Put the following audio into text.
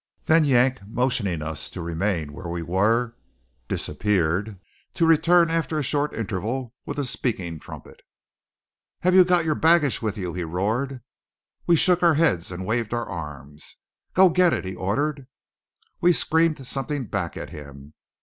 Then Yank motioning us to remain where we were, disappeared, to return after a short interval, with a speaking trumpet. "Have you got your baggage with you?" he roared. We shook our heads and waved our arms. "Go get it!" he ordered. We screamed something back at him.